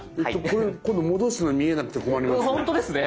これ今度戻すのに見えなくて困りますね。